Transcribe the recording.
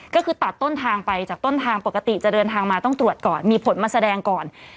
ก็คือตัดต้นทางไปจากต้นทางปกติจะเดินทางมาต้องตรวจก่อนมีผลมาแสดงก่อน